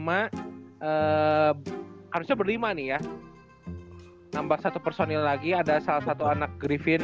harusnya berlima nih ya nambah satu personil lagi ada salah satu anak grifin